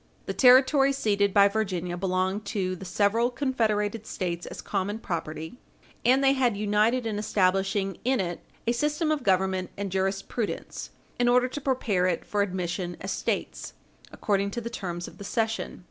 The territory ceded by Virginia belonged to the several confederated States as common property, and they had united in establishing in it a system of government and jurisprudence in order to prepare it for admission as States according to the terms of the cession.